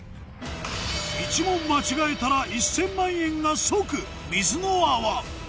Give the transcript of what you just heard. １問間違えたら１０００万円が即水の泡